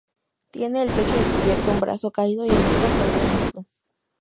Tiene el pecho descubierto, un brazo caído y el otro sobre un muslo.